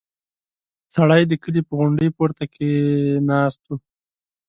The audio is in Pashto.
سړی د کلي په غونډۍ پورته کې ناست و.